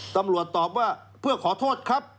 ตำรวจตอบว่าเพื่อขอโทษครับ